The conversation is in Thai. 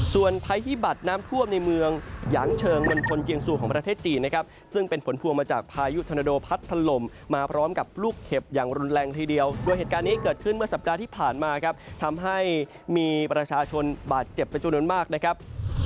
ส่วนภัยฮิบัตรน้ำท่วมในเมืองอย่างเชิงมณฑลเจียงซูของประเทศจีนนะครับซึ่งเป็นผลพวงมาจากพายุธนโดพัดถล่มมาพร้อมกับลูกเข็บอย่างรุนแรงทีเดียวโดยเหตุการณ์นี้เกิดขึ้นเมื่อสัปดาห์ที่ผ่านมาครับทำให้มีประชาชนบาดเจ็บเป็นจำนวนมากนะครับ